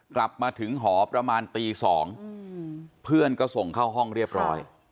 กลับมาถึงหอประมาณตี๒เพื่อนก็ส่งเข้าห้องเรียบร้อย